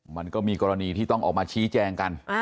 มันก็มีกรณีที่ต้องออกมาชี้แจงกัน